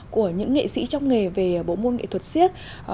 của những nghệ sĩ trong nghề về bổ môn nghệ thuật siết